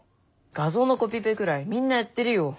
画像のコピペぐらいみんなやってるよ。